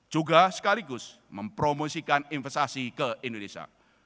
juga sekaligus mempromosikan investasi ke indonesia